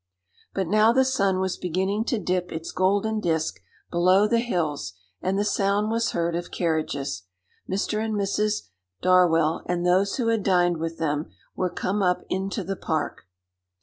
But now the sun was beginning to dip its golden disc below the hills, and the sound was heard of carriages. Mr. and Mrs. Darwell, and those who had dined with them, were come up into the park.